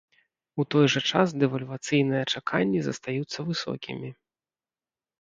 У той жа час дэвальвацыйныя чаканні застаюцца высокімі.